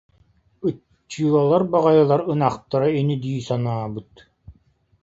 Ыччыылалар баҕайылар ынахтара ини дии санаабыт